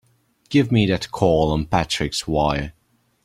Give me that call on Patrick's wire!